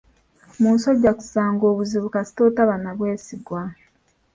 Mu nsi ojja kusanga obuzibu kasita toba na bwesigwa.